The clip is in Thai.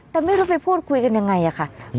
แต่ไม่รู้ไปพูดคุยกันยังไงค่ะ